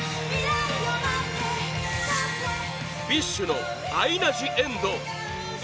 ＢｉＳＨのアイナ・ジ・エンド